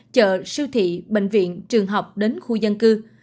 chợ siêu thị bệnh viện trường học đến khu dân cư